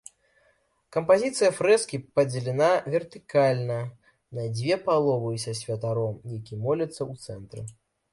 Кампазіцыя фрэскі падзелена вертыкальна на дзве паловы са святаром, які моліцца, у цэнтры.